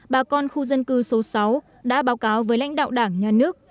bà con khu dân cư số sáu đã báo cáo với lãnh đạo đảng nhà nước